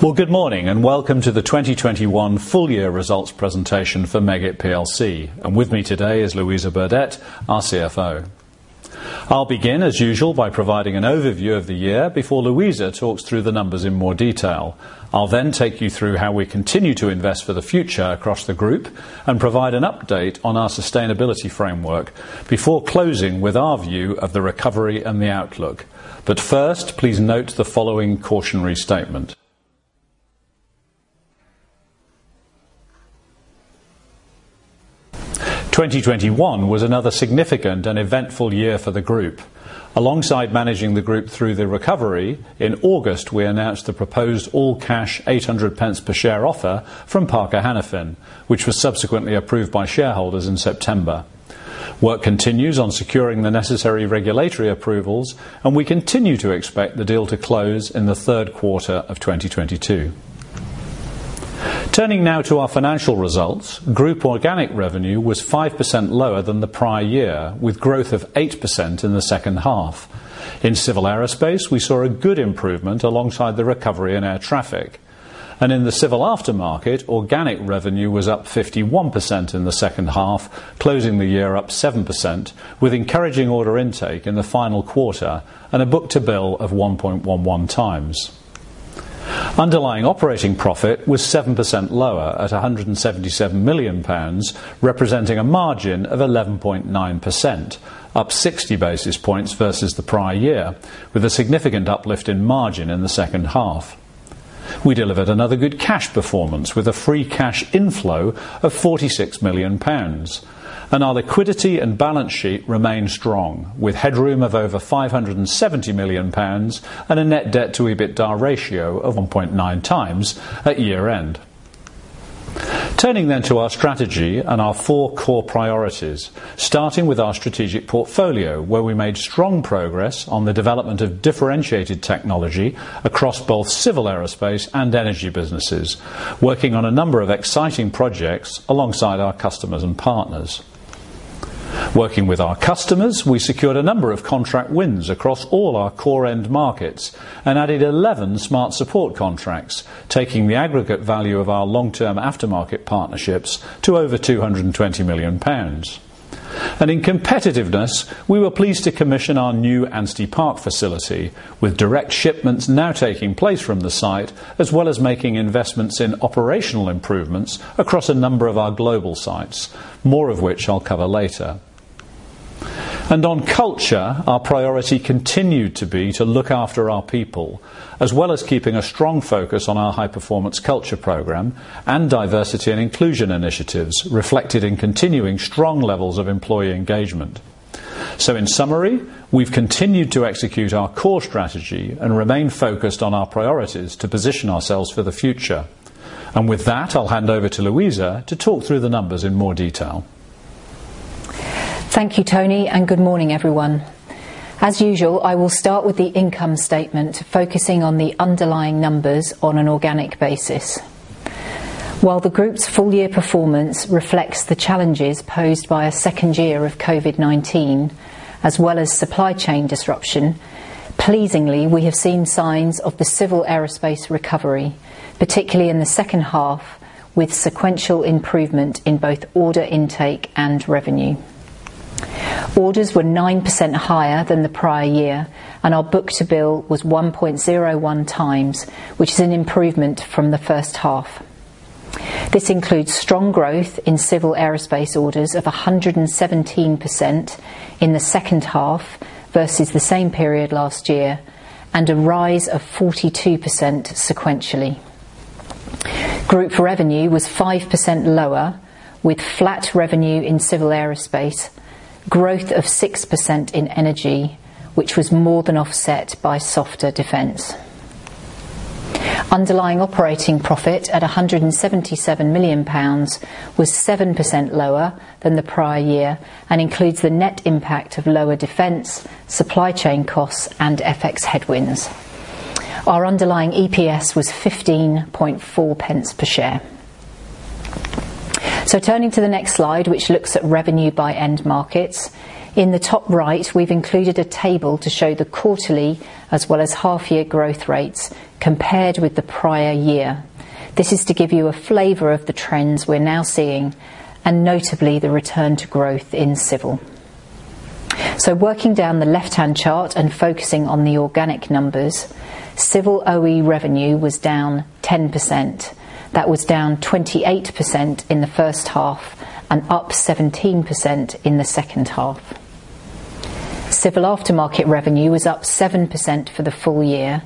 Well, good morning and welcome to the 2021 full year results presentation for Meggitt PLC. With me today is Louisa Burdett, our CFO. I'll begin, as usual, by providing an overview of the year before Louisa talks through the numbers in more detail. I'll then take you through how we continue to invest for the future across the group and provide an update on our sustainability framework before closing with our view of the recovery and the outlook. First, please note the following cautionary statement. 2021 was another significant and eventful year for the group. Alongside managing the group through the recovery, in August, we announced the proposed all-cash 8.00 Per share offer from Parker Hannifin, which was subsequently approved by shareholders in September. Work continues on securing the necessary regulatory approvals, and we continue to expect the deal to close in the third quarter of 2022. Turning now to our financial results, group organic revenue was 5% lower than the prior year, with growth of 8% in the second half. In Civil Aerospace, we saw a good improvement alongside the recovery in air traffic. In the Civil Aftermarket, organic revenue was up 51% in the second half, closing the year up 7%, with encouraging order intake in the final quarter and a book-to-bill of 1.11x. Underlying operating profit was 7% lower at 177 million pounds, representing a margin of 11.9%, up 60 basis points versus the prior year, with a significant uplift in margin in the second half. We delivered another good cash performance with a free cash inflow of 46 million pounds. Our liquidity and balance sheet remain strong, with headroom of over 570 million pounds and a net debt to EBITDA ratio of 1.9x at year-end. Turning then to our strategy and our four core priorities, starting with our strategic portfolio, where we made strong progress on the development of differentiated technology across both civil aerospace and energy businesses, working on a number of exciting projects alongside our customers and partners. Working with our customers, we secured a number of contract wins across all our core end markets and added 11 SMARTSupport™ contracts, taking the aggregate value of our long-term aftermarket partnerships to over 220 million pounds. In competitiveness, we were pleased to commission our new Ansty Park facility with direct shipments now taking place from the site, as well as making investments in operational improvements across a number of our global sites, more of which I'll cover later. On culture, our priority continued to be to look after our people, as well as keeping a strong focus on our high-performance culture program and diversity and inclusion initiatives reflected in continuing strong levels of employee engagement. In summary, we've continued to execute our core strategy and remain focused on our priorities to position ourselves for the future. With that, I'll hand over to Louisa to talk through the numbers in more detail. Thank you, Tony, and good morning, everyone. As usual, I will start with the income statement, focusing on the underlying numbers on an organic basis. While the group's full year performance reflects the challenges posed by a second year of COVID-19, as well as supply chain disruption, pleasingly, we have seen signs of the civil aerospace recovery, particularly in the second half, with sequential improvement in both order intake and revenue. Orders were 9% higher than the prior year, and our book-to-bill was 1.01x, which is an improvement from the first half. This includes strong growth in civil aerospace orders of 117% in the second half versus the same period last year, and a rise of 42% sequentially. Group revenue was 5% lower, with flat revenue in civil aerospace, growth of 6% in energy, which was more than offset by softer defense. Underlying operating profit at 177 million pounds was 7% lower than the prior year and includes the net impact of lower defense, supply chain costs, and FX headwinds. Our underlying EPS was 0.154 per share. Turning to the next slide, which looks at revenue by end markets. In the top right, we've included a table to show the quarterly as well as half year growth rates compared with the prior year. This is to give you a flavor of the trends we're now seeing, and notably, the return to growth in civil. Working down the left-hand chart and focusing on the organic numbers, civil OE revenue was down 10%. That was down 28% in the first half and up 17% in the second half. Civil aftermarket revenue was up 7% for the full year,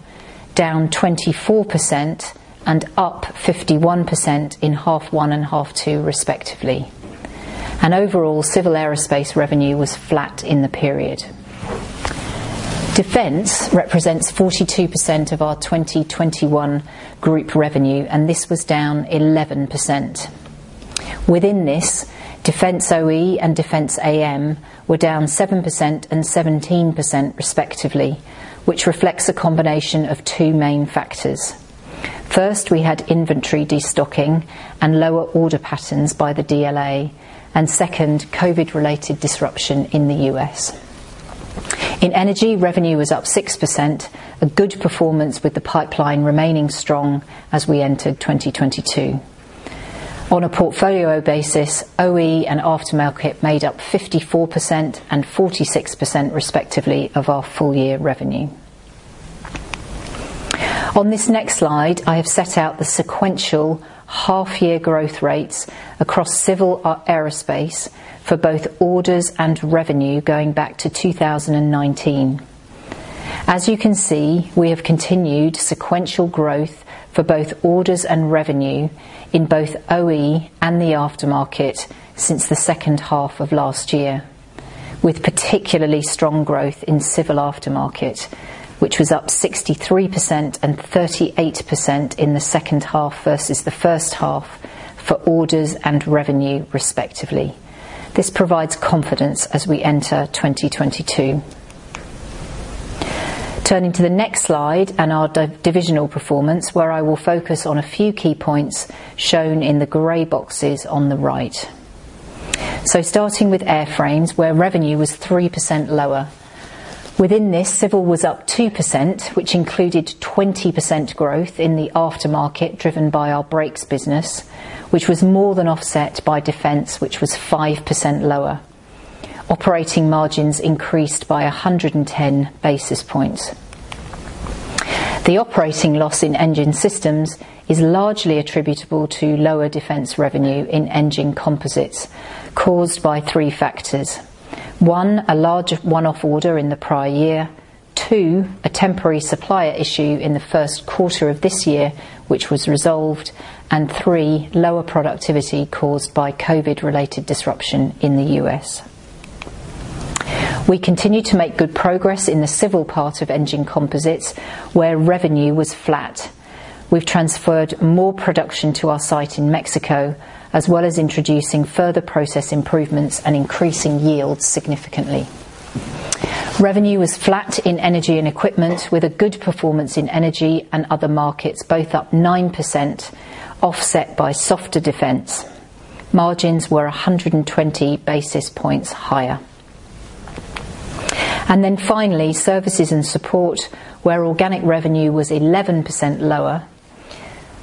down 24% and up 51% in half one and half two, respectively. Overall, civil aerospace revenue was flat in the period. Defense represents 42% of our 2021 group revenue, and this was down 11%. Within this, defense OE and defense AM were down 7% and 17%, respectively, which reflects a combination of two main factors. First, we had inventory destocking and lower order patterns by the DLA. Second, COVID-related disruption in the U.S. In energy, revenue was up 6%, a good performance with the pipeline remaining strong as we entered 2022. On a portfolio basis, OE and aftermarket made up 54% and 46% respectively of our full year revenue. On this next slide, I have set out the sequential half year growth rates across civil aerospace for both orders and revenue going back to 2019. As you can see, we have continued sequential growth for both orders and revenue in both OE and the aftermarket since the second half of last year, with particularly strong growth in civil aftermarket, which was up 63% and 38% in the second half versus the first half for orders and revenue respectively. This provides confidence as we enter 2022. Turning to the next slide and our divisional performance, where I will focus on a few key points shown in the gray boxes on the right. Starting with airframes, where revenue was 3% lower. Within this, civil was up 2%, which included 20% growth in the aftermarket, driven by our brakes business, which was more than offset by defense, which was 5% lower. Operating margins increased by 110 basis points. The operating loss in engine systems is largely attributable to lower defense revenue in engine composites caused by three factors. One, a large one-off order in the prior year. Two, a temporary supplier issue in the first quarter of this year, which was resolved. And three, lower productivity caused by COVID-related disruption in the U.S. We continue to make good progress in the civil part of engine composites, where revenue was flat. We've transferred more production to our site in Mexico, as well as introducing further process improvements and increasing yields significantly. Revenue was flat in energy and equipment with a good performance in energy and other markets, both up 9%, offset by softer defense. Margins were 120 basis points higher. Then finally, services and support, where organic revenue was 11% lower.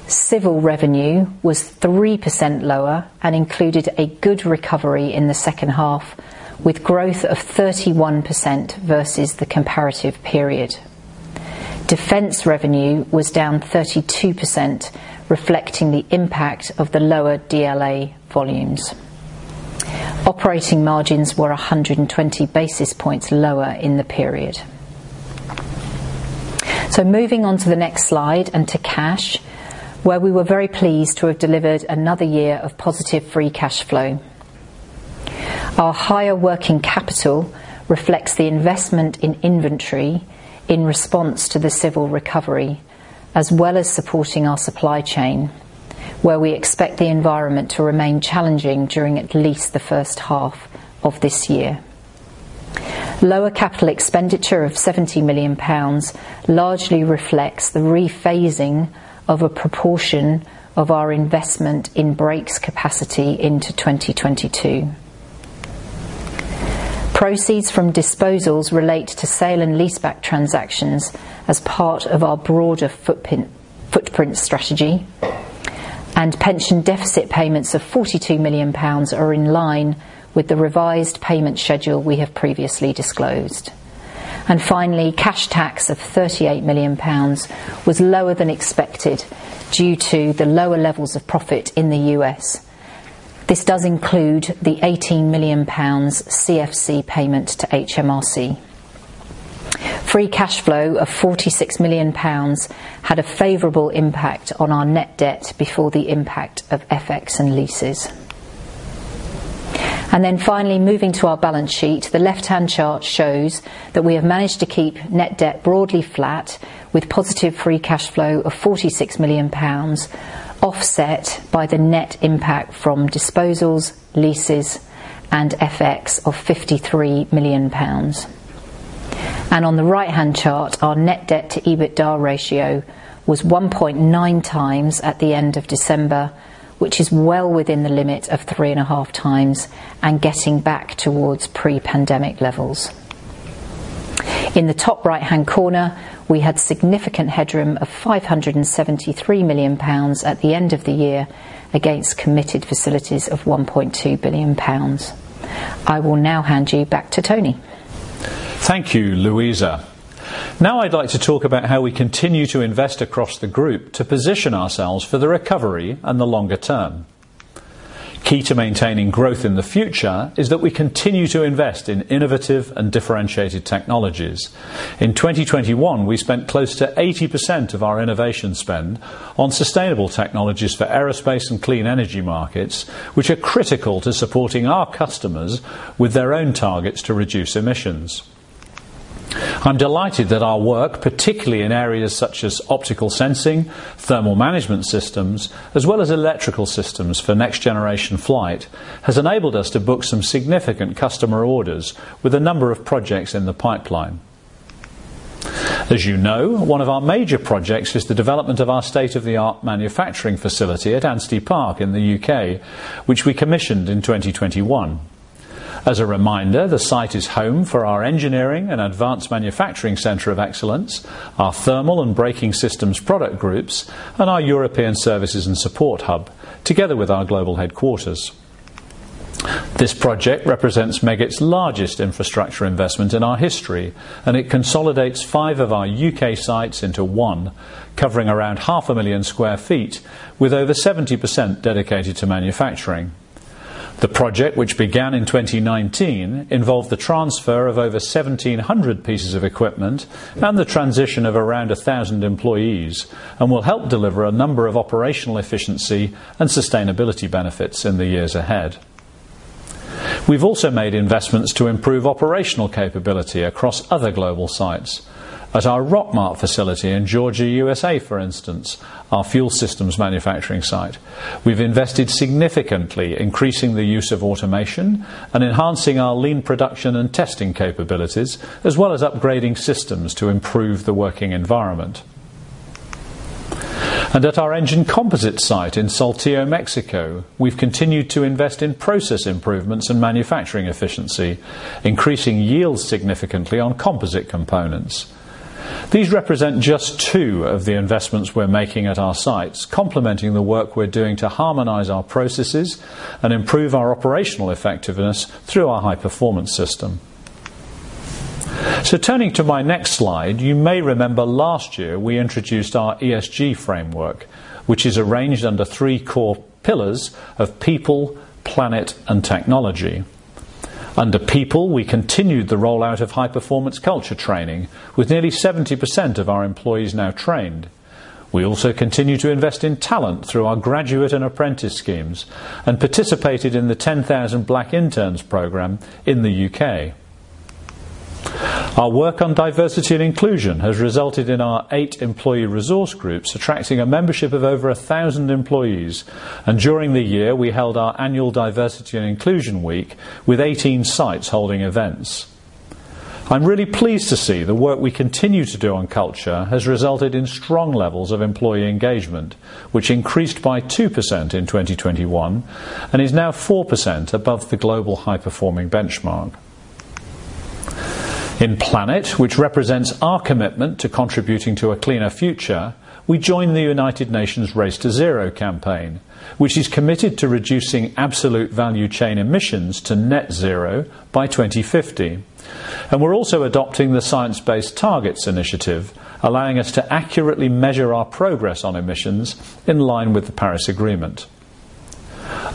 Civil revenue was 3% lower and included a good recovery in the second half, with growth of 31% versus the comparative period. Defense revenue was down 32%, reflecting the impact of the lower DLA volumes. Operating margins were 120 basis points lower in the period. Moving on to the next slide and to cash, where we were very pleased to have delivered another year of positive free cash flow. Our higher working capital reflects the investment in inventory in response to the civil recovery, as well as supporting our supply chain, where we expect the environment to remain challenging during at least the first half of this year. Lower capital expenditure of 70 million pounds largely reflects the rephasing of a proportion of our investment in brakes capacity into 2022. Proceeds from disposals relate to sale and leaseback transactions as part of our broader footprint strategy. Pension deficit payments of 42 million pounds are in line with the revised payment schedule we have previously disclosed. Finally, cash tax of 38 million pounds was lower than expected due to the lower levels of profit in the U.S. This does include the 18 million pounds CFC payment to HMRC. Free cash flow of 46 million pounds had a favorable impact on our net debt before the impact of FX and leases. Then finally, moving to our balance sheet. The left-hand chart shows that we have managed to keep net debt broadly flat with positive free cash flow of 46 million pounds, offset by the net impact from disposals, leases, and FX of 53 million pounds. On the right-hand chart, our net debt to EBITDA ratio was 1.9x at the end of December, which is well within the limit of 3.5x and getting back towards pre-pandemic levels. In the top right-hand corner, we had significant headroom of 573 million pounds at the end of the year against committed facilities of 1.2 billion pounds. I will now hand you back to Tony. Thank you, Louisa. Now I'd like to talk about how we continue to invest across the group to position ourselves for the recovery and the longer term. Key to maintaining growth in the future is that we continue to invest in innovative and differentiated technologies. In 2021, we spent close to 80% of our innovation spend on sustainable technologies for aerospace and clean energy markets, which are critical to supporting our customers with their own targets to reduce emissions. I'm delighted that our work, particularly in areas such as optical sensing, thermal management systems, as well as electrical systems for next generation flight, has enabled us to book some significant customer orders with a number of projects in the pipeline. As you know, one of our major projects is the development of our state-of-the-art manufacturing facility at Ansty Park in the U.K., which we commissioned in 2021. As a reminder, the site is home for our engineering and advanced manufacturing center of excellence, our thermal and braking systems product groups, and our European services and support hub, together with our global headquarters. This project represents Meggitt's largest infrastructure investment in our history, and it consolidates five of our U.K. sites into one, covering around 500,000 sq ft with over 70% dedicated to manufacturing. The project, which began in 2019, involved the transfer of over 1,700 pieces of equipment and the transition of around 1,000 employees and will help deliver a number of operational efficiency and sustainability benefits in the years ahead. We've also made investments to improve operational capability across other global sites. At our Rockmart facility in Georgia, USA, for instance, our fuel systems manufacturing site, we've invested significantly, increasing the use of automation and enhancing our lean production and testing capabilities, as well as upgrading systems to improve the working environment. At our engine composite site in Saltillo, Mexico, we've continued to invest in process improvements and manufacturing efficiency, increasing yields significantly on composite components. These represent just two of the investments we're making at our sites, complementing the work we're doing to harmonize our processes and improve our operational effectiveness through our high-performance system. Turning to my next slide, you may remember last year we introduced our ESG framework, which is arranged under three core pillars of people, planet, and technology. Under people, we continued the rollout of high-performance culture training with nearly 70% of our employees now trained. We also continue to invest in talent through our graduate and apprentice schemes and participated in the 10,000 Black Interns program in the U.K. Our work on diversity and inclusion has resulted in our eight employee resource groups attracting a membership of over 1,000 employees. During the year, we held our annual Diversity and Inclusion Week, with 18 sites holding events. I'm really pleased to see the work we continue to do on culture has resulted in strong levels of employee engagement, which increased by 2% in 2021 and is now 4% above the global high-performing benchmark. In Planet, which represents our commitment to contributing to a cleaner future, we joined the United Nations Race to Zero campaign, which is committed to reducing absolute value chain emissions to net zero by 2050. We're also adopting the Science Based Targets initiative, allowing us to accurately measure our progress on emissions in line with the Paris Agreement.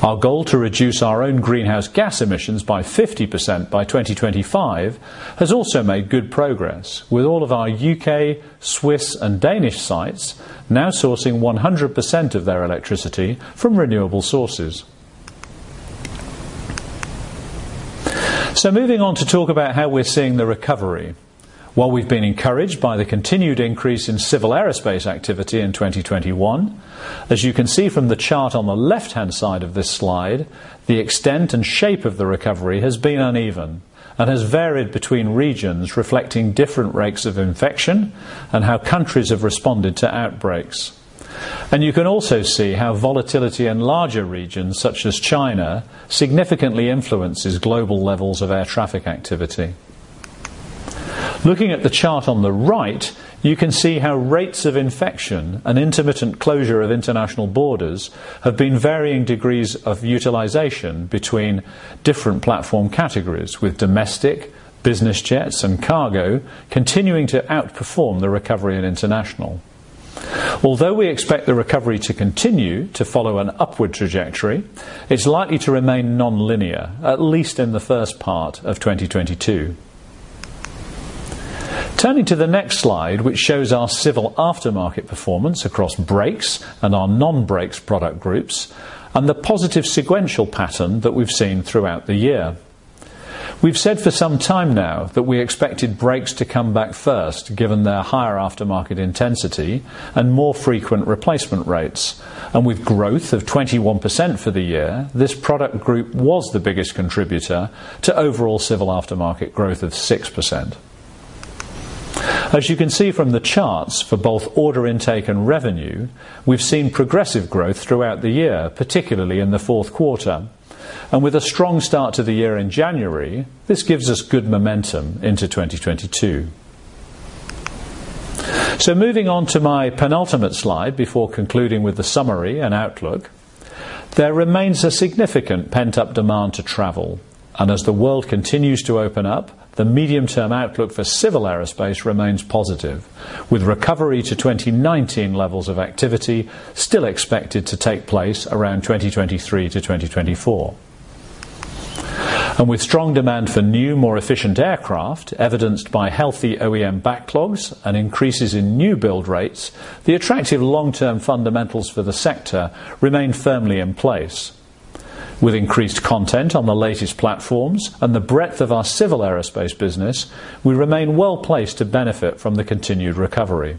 Our goal to reduce our own greenhouse gas emissions by 50% by 2025 has also made good progress, with all of our U.K., Swiss, and Danish sites now sourcing 100% of their electricity from renewable sources. Moving on to talk about how we're seeing the recovery. While we've been encouraged by the continued increase in civil aerospace activity in 2021, as you can see from the chart on the left-hand side of this slide, the extent and shape of the recovery has been uneven and has varied between regions, reflecting different rates of infection and how countries have responded to outbreaks. You can also see how volatility in larger regions, such as China, significantly influences global levels of air traffic activity. Looking at the chart on the right, you can see how rates of infection and intermittent closure of international borders have been varying degrees of utilization between different platform categories, with domestic, business jets, and cargo continuing to outperform the recovery in international. Although we expect the recovery to continue to follow an upward trajectory, it's likely to remain nonlinear, at least in the first part of 2022. Turning to the next slide, which shows our civil aftermarket performance across brakes and our non-brakes product groups and the positive sequential pattern that we've seen throughout the year. We've said for some time now that we expected brakes to come back first, given their higher aftermarket intensity and more frequent replacement rates. With growth of 21% for the year, this product group was the biggest contributor to overall civil aftermarket growth of 6%. As you can see from the charts for both order intake and revenue, we've seen progressive growth throughout the year, particularly in the fourth quarter. With a strong start to the year in January, this gives us good momentum into 2022. Moving on to my penultimate slide before concluding with the summary and outlook, there remains a significant pent-up demand to travel. As the world continues to open up, the medium-term outlook for civil aerospace remains positive, with recovery to 2019 levels of activity still expected to take place around 2023-2024. With strong demand for new, more efficient aircraft, evidenced by healthy OEM backlogs and increases in new build rates, the attractive long-term fundamentals for the sector remain firmly in place. With increased content on the latest platforms and the breadth of our civil aerospace business, we remain well-placed to benefit from the continued recovery.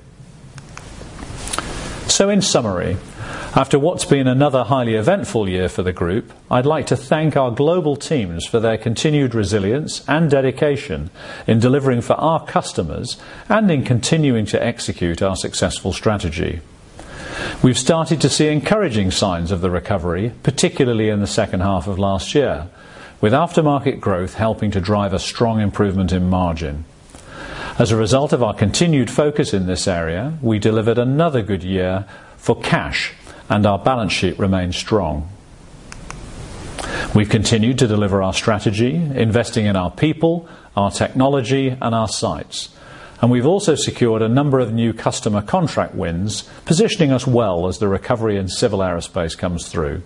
In summary, after what's been another highly eventful year for the group, I'd like to thank our global teams for their continued resilience and dedication in delivering for our customers and in continuing to execute our successful strategy. We've started to see encouraging signs of the recovery, particularly in the second half of last year, with aftermarket growth helping to drive a strong improvement in margin. As a result of our continued focus in this area, we delivered another good year for cash, and our balance sheet remains strong. We've continued to deliver our strategy, investing in our people, our technology, and our sites, and we've also secured a number of new customer contract wins, positioning us well as the recovery in civil aerospace comes through.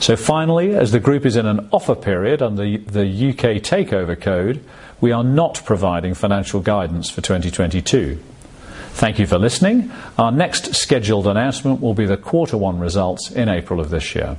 Finally, as the group is in an offer period under the U.K Takeover Code, we are not providing financial guidance for 2022. Thank you for listening. Our next scheduled announcement will be the quarter one results in April of this year.